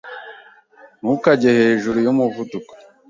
Ntukajye hejuru yumuvuduko.